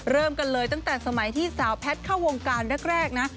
เริ่มกันเลยตั้งแต่สมัยที่สาวแพทย์เข้าวงการแรกนะ